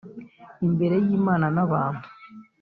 imbere y’imana n’abantu